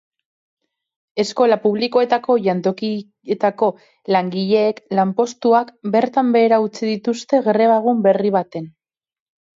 Eskola publikoetako jantokietako langileek lanpostuak bertan behera utzi dituzte greba egun berri baten.